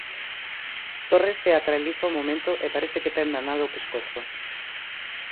Torres teatraliza o momento e parece que ten danado o pescozo.